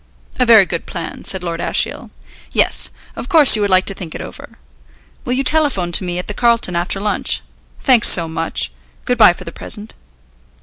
"A very good plan," said Lord Ashiel. "Yes, of course you would like to think it over. Will you telephone to me at the Carlton after lunch? Thanks so much. Good bye for the present."